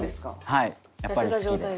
はいやっぱり好きで。